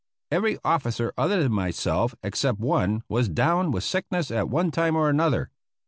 Every officer other than myself except one was down with sickness at one time or another.